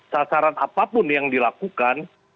sasaran apapun yang dilakukan